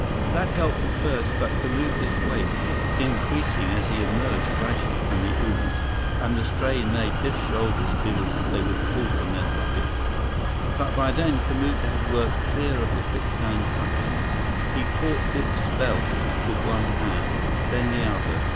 That helped at first, but Kamuka's weight kept increasing as he emerged gradually from the ooze, and the strain made Biff's shoulders feel as if they would pull from their sockets. But by then, Kamuka had worked clear of the quicksand's suction. He caught Biff's belt with one hand; then the other.